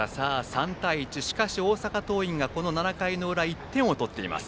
３対１、しかし大阪桐蔭７回の裏に１点を取っています。